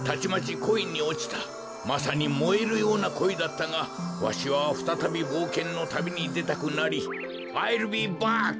まさにもえるようなこいだったがわしはふたたびぼうけんのたびにでたくなり「アイルビーバック！」